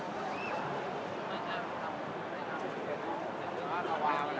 สวัสดีครับสวัสดีครับ